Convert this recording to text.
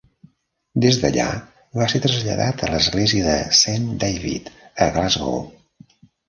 Des d'allà va ser traslladat a l'església de Saint David a Glasgow.